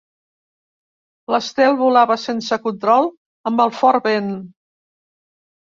L'estel volava sense control amb el fort vent.